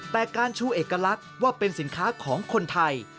แต่การชูเอกลักษณ์ว่าเป็นสินค้าของคนไทย